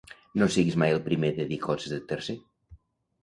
No siguis mai el primer de dir coses de tercer.